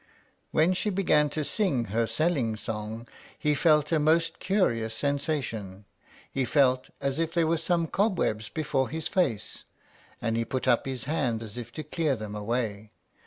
When she began to sing her selling song, he felt a most curious sensation. He felt as if there were some cobwebs before his face, and he put up his hand as if to clear them away.